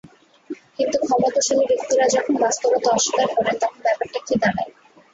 কিন্তু ক্ষমতাশালী ব্যক্তিরা যখন বাস্তবতা অস্বীকার করেন, তখন ব্যাপারটা কী দাঁড়ায়?